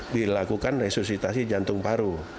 dilakukan resusitasi jantung paru